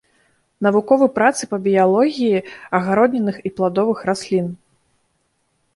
Навуковы працы па біялогіі агароднінных і пладовых раслін.